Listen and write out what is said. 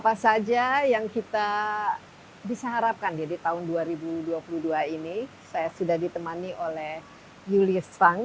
apa saja yang kita bisa harapkan ya di tahun dua ribu dua puluh dua ini saya sudah ditemani oleh julius fang